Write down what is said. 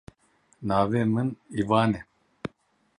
Navê min Ivan e.